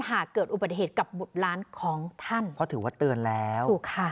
หากเกิดอุบัติเหตุกับบุตรล้านของท่านเพราะถือว่าเตือนแล้วถูกค่ะ